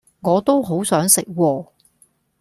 我都好想食喎